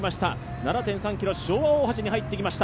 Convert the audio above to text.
７．３ｋｍ、昭和大橋に入ってきました。